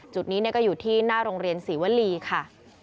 จุดนี้ก็อยู่ที่หน้าโรงเรียนศรีวรีค่ะ